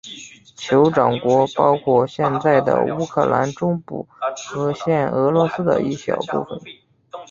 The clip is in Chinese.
酋长国包括现在的乌克兰中部和现俄罗斯的一小部分。